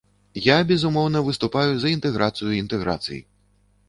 Я, безумоўна, выступаю за інтэграцыю інтэграцый.